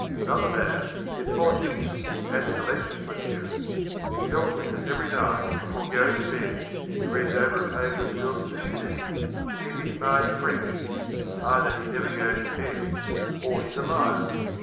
Another man, in politics and in the legislature, tells me that every night before going to bed he reads over a page or two of Thucydides to keep his mind fresh. Either he never goes to bed or he's a liar.